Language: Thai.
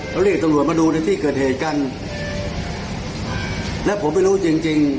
แล้วเรียกตำรวจมาดูในที่เกิดเหตุกันและผมไม่รู้จริงจริง